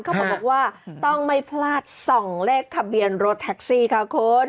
เขาบอกว่าต้องไม่พลาดส่องเลขทะเบียนรถแท็กซี่ค่ะคุณ